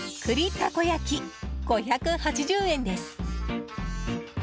たこ焼き、５８０円です。